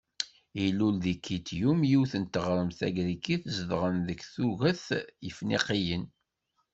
Ilul deg Kityum, yiwet n teɣremt tagrikit zedɣen deg tuget Yefniqiyen.